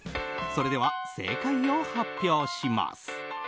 それでは、正解を発表します。